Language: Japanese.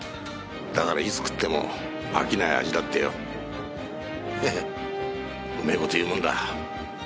だからいつ食っても飽きない味だってよ。へへっうめえ事言うもんだ。